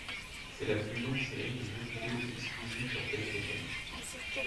C'est la plus longue série de jeux vidéo exclusive sur PlayStation.